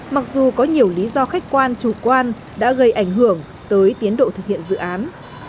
mặc dù có nhiều lý do khách quan chủ quan đã gây ảnh hưởng tới tiến độ thực hiện dự án